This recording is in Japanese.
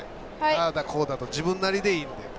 ああだ、こうだと自分なりでいいんで。